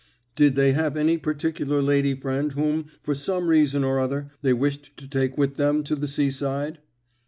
"Did they have any particular lady friend whom, for some reason or other, they wished to take with them to the seaside?"